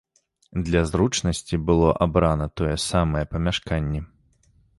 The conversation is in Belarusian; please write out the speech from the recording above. Для зручнасці было абрана тое самае памяшканне.